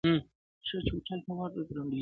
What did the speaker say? په لمبو کي مځکه سره لکه تبۍ ده -